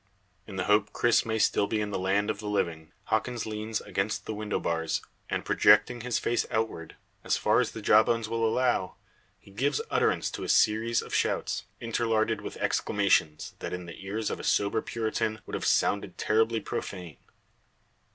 In the hope Cris may still be in the land of the living, Hawkins leans against the window bars and, projecting his face outward, as far as the jawbones will allow, he gives utterance to a series of shouts, interlarded with exclamations, that in the ears of a sober Puritan would have sounded terribly profane.